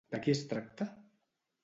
De qui es tracta?